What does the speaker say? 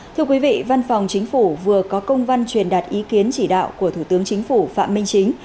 thưa quý vị văn phòng chính phủ vừa có công văn truyền đạt ý kiến chỉ đạo của thủ tướng chính phủ phạm minh chính